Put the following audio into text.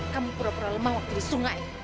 kamu pura pura lemah waktu di sungai